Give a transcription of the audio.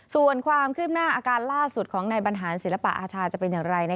ส่วนความอาการขึ้นมาของบรรหารศิลปะอาชาจะเป็นอย่างไร